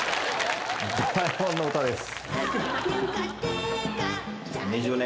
『ドラえもんのうた』です。